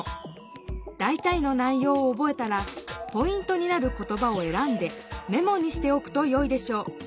だいたいの内ようをおぼえたらポイントになる言ばをえらんでメモにしておくとよいでしょう。